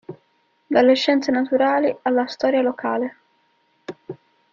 Dalle scienze naturali alla storia locale.